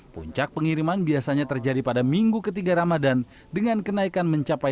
puncak pengiriman biasanya terjadi pada minggu ketiga ramadan dengan kenaikan mencapai